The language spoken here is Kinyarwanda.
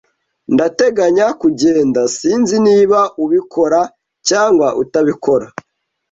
Ndateganya kugenda. Sinzi niba ubikora cyangwa utabikora.